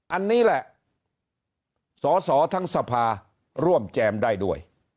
อันนี้แหละสอสอทั้งสภาร่วมแจมได้ด้วย